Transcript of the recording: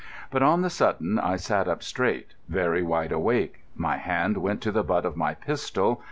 But on the sudden I sat up straight, very wide awake. My hand went to the butt of my pistol.